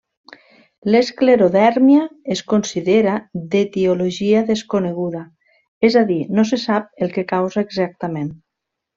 L'esclerodèrmia es considera d'etiologia desconeguda, és a dir, no se sap el que causa exactament.